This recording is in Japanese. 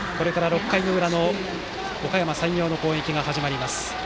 ６回の裏のおかやま山陽の攻撃が始まります。